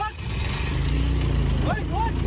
ง่าย